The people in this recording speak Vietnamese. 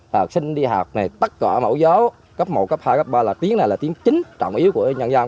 học sinh đi học này tất cả mẫu giáo cấp một cấp hai cấp ba là tiếng này là tiếng chính trọng yếu của nhân dân